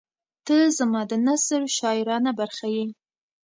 • ته زما د نثر شاعرانه برخه یې.